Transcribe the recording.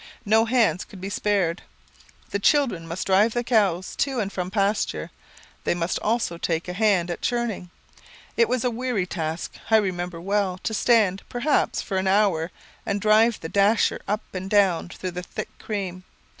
No hands could be spared. The children must drive the cows to and from pasture. They must also take a hand at churning. It was a weary task, I well remember, to stand, perhaps for an hour, and drive the dasher up and down through the thick cream.